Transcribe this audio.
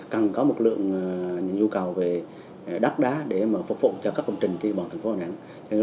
cần có một lượng những nhu cầu về đất đá để phục vụ cho các công trình trên địa bàn thành phố đà nẵng